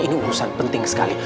ini urusan penting sekali